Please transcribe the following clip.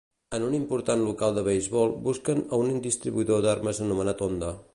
En un important local de beisbol busquen a un distribuïdor d’armes anomenat Honda.